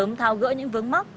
sớm thao gỡ những vấn mắc